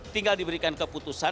tinggal diberikan keputusan